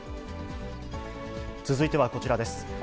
続いてはこちらです。